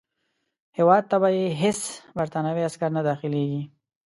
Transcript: هیواد ته به یې هیڅ برټانوي عسکر نه داخلیږي.